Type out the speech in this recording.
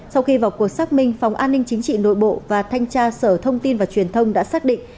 sau khi vào cuộc xác minh phòng an ninh chính trị nội bộ và thanh tra sở thông tin và truyền thông đã xác định